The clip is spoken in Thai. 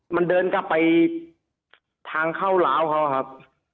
มันเดินกลับไปทางเข้าล้าวเขาครับ